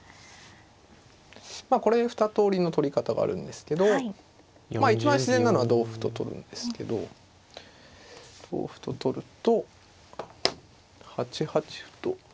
まあこれ２通りの取り方があるんですけど一番自然なのは同歩と取るんですけど同歩と取ると８八歩と。